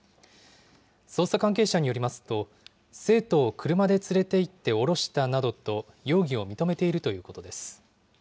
捜査関係者によりますと、生徒を車で連れていって降ろしたなどと容疑を認めているということです。